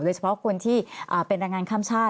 โดยเฉพาะคนที่เป็นแรงงานข้ามชาติ